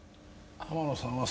天野さんは？